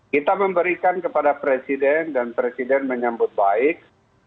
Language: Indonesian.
kita memberikan kepada presiden dan presiden menyambut baik